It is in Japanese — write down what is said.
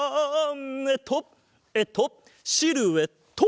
えっとえっとシルエット！